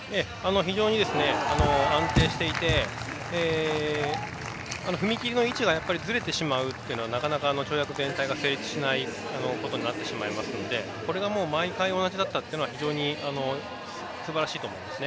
非常に安定していて踏み切りの位置がずれてしまうと跳躍全体が成立しないことになってしまいますのでこれが毎回同じだったっていうのは非常にすばらしいと思いますね。